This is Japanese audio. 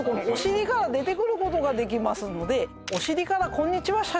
お尻から出てくることができますのでお尻からこんにちは！